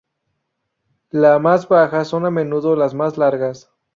La más bajas son a menudo las más largas.